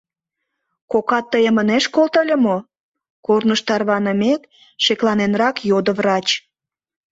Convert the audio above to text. — Кокат тыйым ынеж колто ыле мо? — корныш тарванымек, шекланенрак йодо врач.